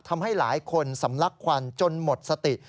ทำให้หลายคนสำลักควันจนหมดสติ